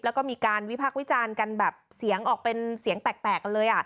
แล้วก็มีการวิพักษ์วิจารณ์กันแบบเสียงออกเป็นเสียงแตกกันเลย